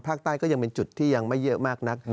ก็ยังเป็นจุดที่ยังไม่เยอะมากนัก